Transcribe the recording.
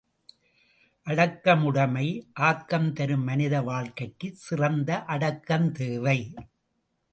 அடக்கமுடைமை ஆக்கம் தரும் மனித வாழ்க்கைக்குச் சிறந்த அடக்கம் தேவை.